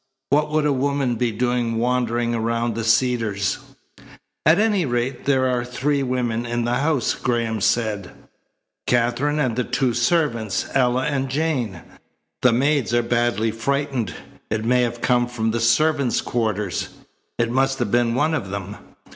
What would a woman be doing wandering around the Cedars?" "At any rate, there are three women in the house," Graham said, "Katherine and the two servants, Ella and Jane. The maids are badly frightened. It may have come from the servants' quarters. It must have been one of them."